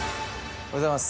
おはようございます。